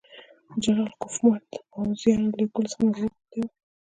جنرال کوفمان د پوځیانو لېږلو څخه معذرت غوښتی وو.